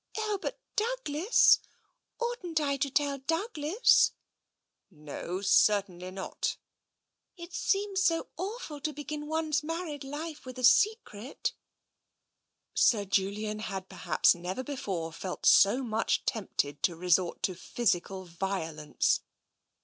"Oh, but Douglas! Oughtn't I to tell Douglas?" " No, certainly not." 178 TENSION ^* It seems so awful to begin one's married life with a secret/' Sir Julian had perhaps never before felt so much tempted to resort to physical violence.